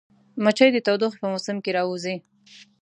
مچمچۍ د تودوخې په موسم کې راووځي